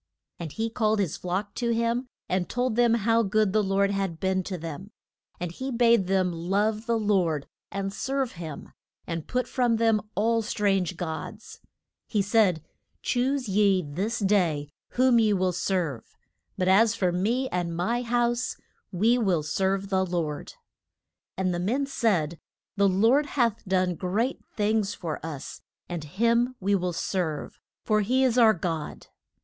And he called his flock to him and told them how good the Lord had been to them. And he bade them love the Lord and serve him, and put from them all strange gods. He said, Choose ye this day whom ye will serve; but as for me and my house we will serve the Lord. [Illustration: JOSH U A AND THE STONE OF WIT NESS.] And the men said, The Lord hath done great things for us, and him will we serve, for he is our God.